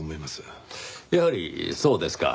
やはりそうですか。